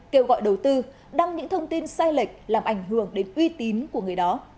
kêu gọi đầu tư đăng những thông tin sai lệch làm ảnh hưởng đến uy tín của người đó